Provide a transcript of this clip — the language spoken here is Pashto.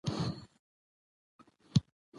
رسوب د افغانستان د سیلګرۍ د صنعت یوه برخه ده.